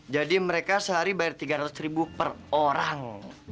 jadi mereka sehari bayar tiga ratus ribu per orang